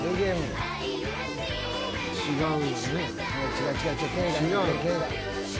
違う違う。